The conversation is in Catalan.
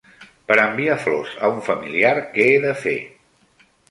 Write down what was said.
Per enviar flors a un familiar, què he de fer?